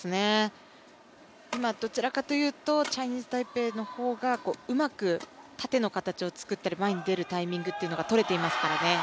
今、どちらかというとチャイニーズ・タイペイの方がうまく縦の形を作ったり前に出るタイミングがとれていますからね。